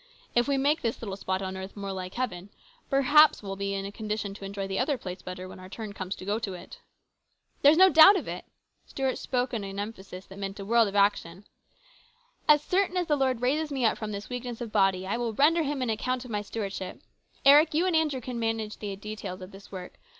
If we make this little spot on earth more like heaven, perhaps we'll be in a condition to enjoy the other place better when our turn comes to go to it." " There's no doubt of it !" Stuart spoke with an emphasis that meant a world of action. " As certain 254 HIS BROTHER'S KEEPER. as the Lord raises me up from this weakness of body, I will render Him an account of my stewardship. Eric, you and Andrew can arrange the details of this work.